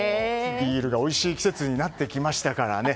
ビールがおいしい季節になってきましたからね。